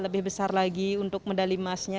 lebih besar lagi untuk medali emasnya